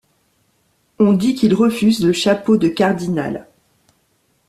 On dit qu'il refuse le chapeau de cardinal.